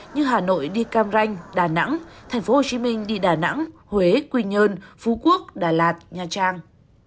như hà nội đi cam ranh đà nẵng tp hcm đi đà nẵng huế quỳnh nhơn phú quốc đà lạt nha trang